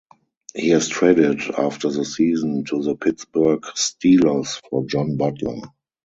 He was traded after the season to the Pittsburgh Steelers for John Butler.